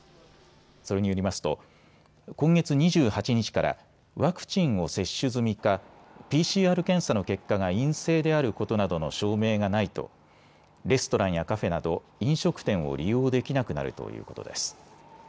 それによりますと今月２８日から、ワクチンを接種済みかＰＣＲ検査の結果が陰性であることなどの証明がないとレストランやカフェなど飲食店を利用できなくなるということです。